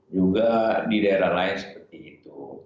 juga di daerah lain seperti itu